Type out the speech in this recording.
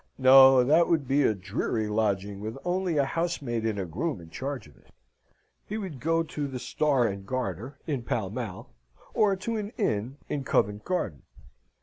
No, that would be a dreary lodging with only a housemaid and a groom in charge of it. He would go to the Star and Garter in Pall Mall, or to an inn in Covent Garden.